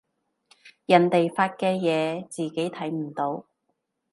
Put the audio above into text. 人哋發嘅嘢自己睇唔到